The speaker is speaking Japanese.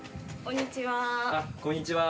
こんにちは。